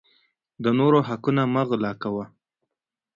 د نورو حقونه مه غلاء کوه